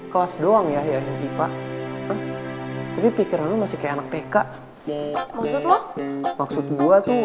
masa gue mesti nanya sih sama pak umar